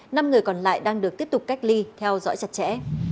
năm người còn lại đang được tiếp tục cách ly theo dõi chặt chẽ